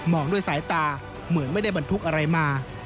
องด้วยสายตาเหมือนไม่ได้บรรทุกอะไรมา